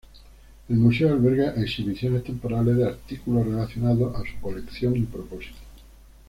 El museo alberga exhibiciones temporales de artículos relacionados a su colección y propósito.